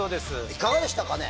いかがでしたかね？